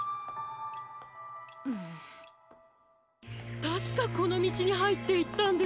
たしかこのみちにはいっていったんですが。